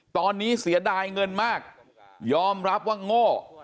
ตอนนี้เสียดายเงินมากยอมรับว่าโง่